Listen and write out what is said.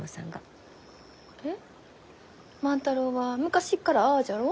えっ万太郎は昔っからああじゃろう？